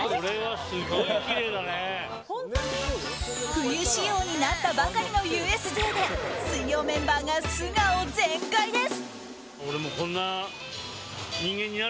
冬仕様になったばかりのＵＳＪで水曜メンバーが素顔全開です！